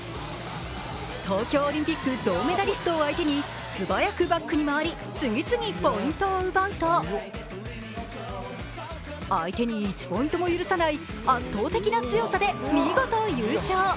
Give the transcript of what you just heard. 東京オリンピック銅メダリストを相手に素早くバックに回り、次々ポイントを奪うと相手に１ポイントも許さない圧倒的な強さで見事優勝。